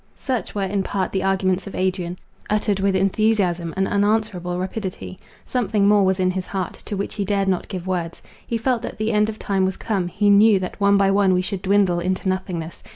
Such were in part the arguments of Adrian, uttered with enthusiasm and unanswerable rapidity. Something more was in his heart, to which he dared not give words. He felt that the end of time was come; he knew that one by one we should dwindle into nothingness.